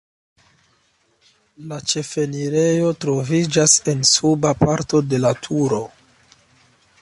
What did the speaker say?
La ĉefenirejo troviĝas en suba parto de la turo.